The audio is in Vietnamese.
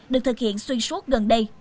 được thực hiện xuyên suốt gần đây